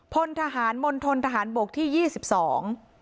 พลทหารมณฑนทหารบกที่ยี่สิบสอง